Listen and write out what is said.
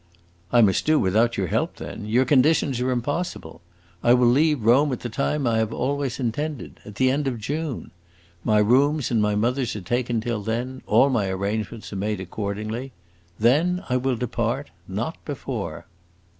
"I must do without your help then! Your conditions are impossible. I will leave Rome at the time I have always intended at the end of June. My rooms and my mother's are taken till then; all my arrangements are made accordingly. Then, I will depart; not before."